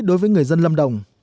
đối với người dân lâm đồng